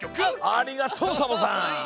ありがとうサボさん。